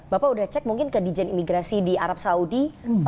bapak udah cek mungkin ke dijen imigrasi di arab saudi